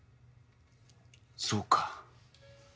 そうか。